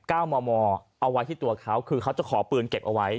เก้ามอมอเอาไว้ที่ตัวเขาคือเขาจะขอปืนเก็บเอาไว้